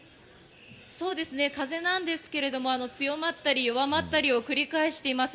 風なんですけれども、強まったり弱まったりを繰り返しています。